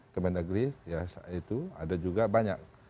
kementerian dagri ya itu ada juga banyak